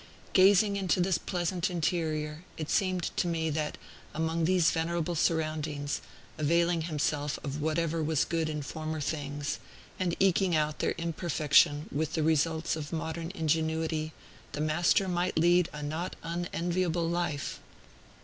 Gazing into this pleasant interior, it seemed to me, that, among these venerable surroundings, availing himself of whatever was good in former things, and eking out their imperfection with the results of modern ingenuity, the Master might lead a not unenviable life.